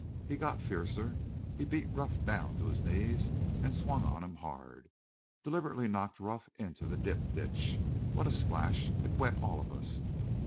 He got fiercer. He beat Ruff down to his knees an' swung on him hard. Deliberately knocked Ruff into the dip ditch. What a splash! It wet all of us.